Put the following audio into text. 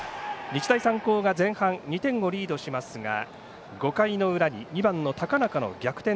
日大三高が前半２点をリードしますが５回の裏に２番の高中の逆転